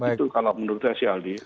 itu kalau menurut saya sih aldi